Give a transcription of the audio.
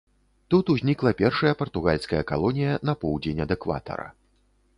Тут узнікла першая партугальская калонія на поўдзень ад экватара.